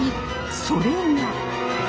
それが。